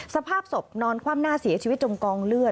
สภาพศพนอนคว่ำหน้าเสียชีวิตจมกองเลือด